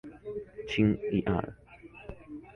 Chin, y al.